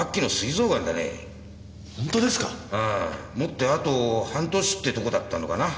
もってあと半年ってとこだったのかな。